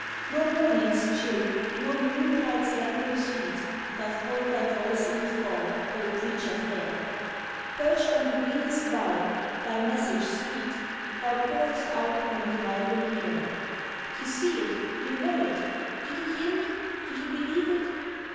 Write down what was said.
Nor morning's chill, nor noon tide's languorous heat, Doth hold thy voice in thrall, O, preacher fair; Perched on the greenest bough, thy message sweet Thou pourest out upon the vibrant air, "_You see it! You know it! Do you hear me? Do you believe it?